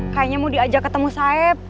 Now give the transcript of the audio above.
kayaknya mau diajak ketemu saib